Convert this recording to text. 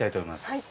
はい。